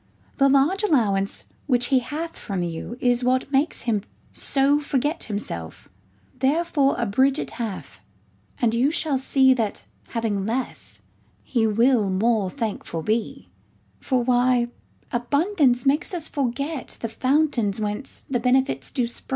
25 The large allowance which he hath from you, Is that which makes him so forget himself : Therefore abridge it half, and you shall see, That having less, he will more thankful be : For why, abundance maketh us forget 30 The fountains whence the benefits do spring.